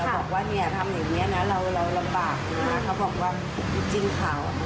แล้วเราเนี่ยที่คอนโดเนี่ยตอนแรกมันจะกัดตัวที่คอนโด